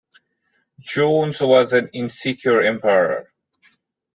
Joannes was an insecure emperor.